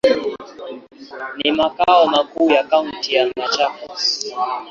Ni makao makuu ya kaunti ya Machakos.